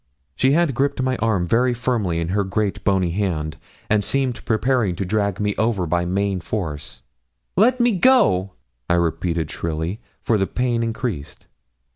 She had griped my arm very firmly in her great bony hand, and seemed preparing to drag me over by main force. 'Let me go,' I repeated shrilly, for the pain increased.